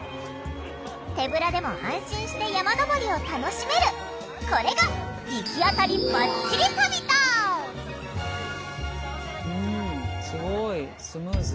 手ぶらでも安心して山登りを楽しめるこれがうんすごいスムーズ。